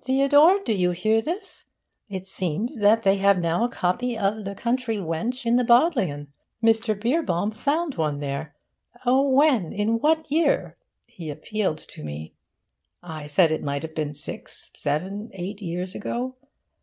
'Theodore! Do you hear this? It seems that they have now a copy of "The Country Wench" in the Bodleian! Mr. Beerbohm found one there oh when? in what year?' he appealed to me. I said it might have been six, seven, eight years ago.